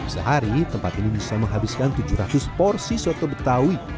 sehari tempat ini bisa menghabiskan tujuh ratus porsi soto betawi